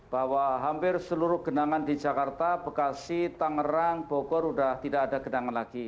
bahwa hampir seluruh genangan di jakarta bekasi tangerang bogor sudah tidak ada genangan lagi